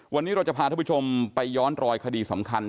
วันนี้เราจะพาท่านผู้ชมไปย้อนรอยคดีสำคัญ